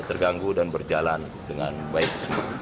kita ganggu dan berjalan dengan baik